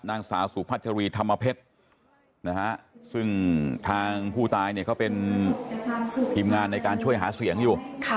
นางสาวสุพัชรีธรรมเพชรซึ่งทางผู้ตายเนี่ยเขาเป็นทีมงานในการช่วยหาเสียงอยู่